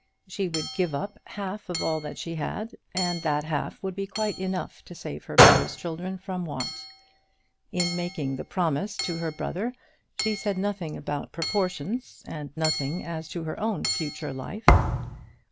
She would give up half of all that she had, and that half would be quite enough to save her brother's children from want. In making the promise to her brother she said nothing about proportions, and nothing as to her own future life.